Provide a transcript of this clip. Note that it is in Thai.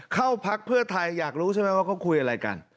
พักเพื่อไทยอยากรู้ใช่ไหมว่าเขาคุยอะไรกัน